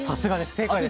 正解です。